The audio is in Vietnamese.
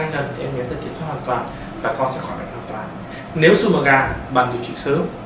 hai lần thì em bé sẽ kiểm tra hoàn toàn và con sẽ khỏi bệnh hoàn toàn nếu xùi màu gà bạn điều trị sớm